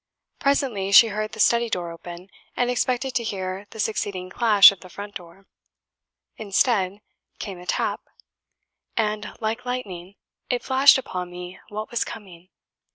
Presently she heard the study door open, and expected to hear the succeeding clash of the front door. Instead, came a tap; and, "like lightning, it flashed upon me what was coming.